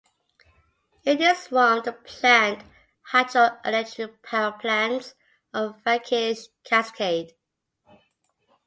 It is one of the planned hydroelectric power plants of Vakhsh Cascade.